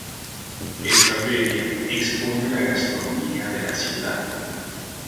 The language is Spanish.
Esta feria expone la gastronomía de la ciudad.